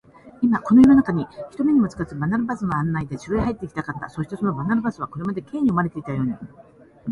今、この夜なかに、人目にもつかず、バルナバスの案内で城へ入っていきたかった。しかし、そのバルナバスは、これまで Ｋ に思われていたように、